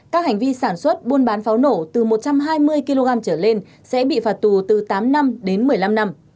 các hành vi sản xuất buôn bán pháo nổ từ một trăm hai mươi kg trở lên sẽ bị phạt tù từ tám năm đến một mươi năm năm